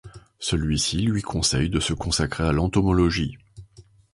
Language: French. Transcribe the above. Celui-ci lui conseille de se consacrer à l’entomologie.